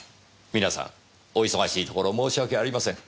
皆さんお忙しいところ申し訳ありません。